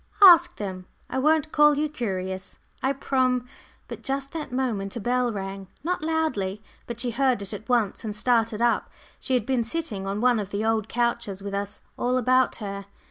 "Ask them. I won't call you curious, I prom " But just that moment a bell rang not loudly, but she heard it at once, and started up. She had been sitting on one of the old couches, with us all about her.